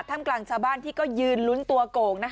กลางชาวบ้านที่ก็ยืนลุ้นตัวโก่ง